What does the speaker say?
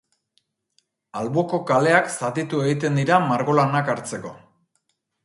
Alboko kaleak zatitu egiten dira margolanak hartzeko.